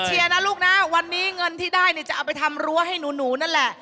เชียร์นะลูกนะวันนี้เงินที่ได้เนี่ยจะเอาไปทำรั้วให้หนูนั่นแหละ